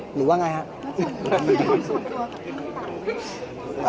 หรือว่าไงครับ